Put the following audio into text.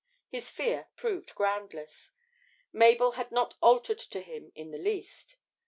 This fear proved groundless: Mabel had not altered to him in the least.